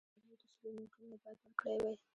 څلور د سلو نوټونه یې باید ورکړای وای.